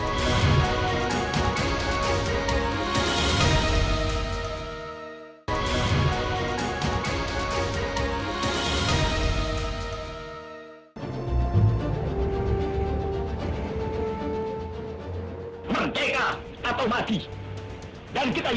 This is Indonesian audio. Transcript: dan kita yakin saudara saudara pada akhirnya